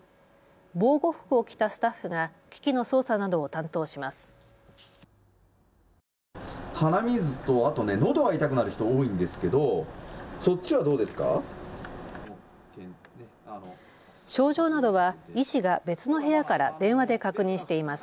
防護服を着たスタッフが機器の操作などを担当します。